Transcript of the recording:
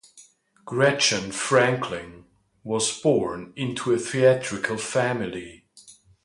Gretchen Franklin was born into a theatrical family.